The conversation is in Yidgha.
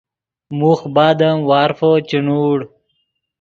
موخ بعد ام وارفو چے نوڑ